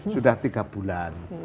sudah tiga bulan